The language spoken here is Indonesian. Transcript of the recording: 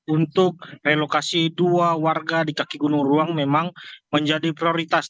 untuk relokasi dua warga di kaki gunung ruang memang menjadi prioritas